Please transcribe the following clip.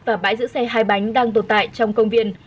và bãi giữ xe hai bánh đang tồn tại trong công viên